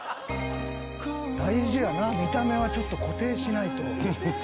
大事やな、見た目はちょっと固定しないと。